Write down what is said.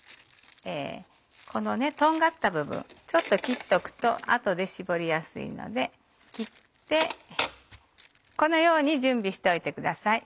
このとんがった部分ちょっと切っておくと後で絞りやすいので切ってこのように準備しておいてください。